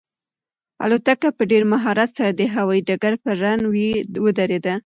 الوتکه په ډېر مهارت سره د هوایي ډګر پر رن وې ودرېده.